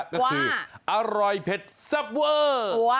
ก็คืออร่อยเผ็ดแซ่บเวอร์